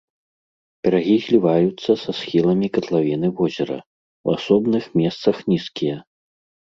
Берагі зліваюцца са схіламі катлавіны возера, у асобных месцах нізкія.